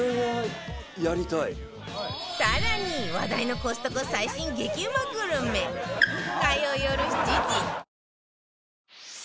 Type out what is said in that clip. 更に話題のコストコ最新激うまグルメ火曜よる７時